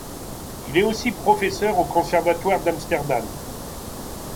Il est aussi professeur au conservatoire d’Amsterdam.